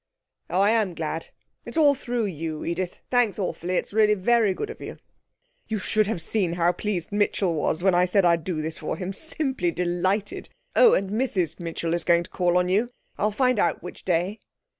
'Oh, I am glad. It's all through you, Edith. Thanks, awfully. It's really very good of you. You should have seen how pleased Mitchell was when I said I'd do this for him. Simply delighted. Oh, and Mrs Mitchell is going to call on you. I'll find out which day.'